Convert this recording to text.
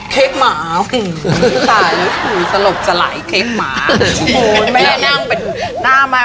เค้กหมาหูตายแล้วหูสลบจะไหลเค้กหมา